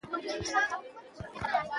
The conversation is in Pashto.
څوک يې ؟